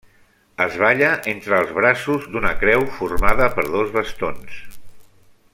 Es balla entre els braços d'una creu formada per dos bastons.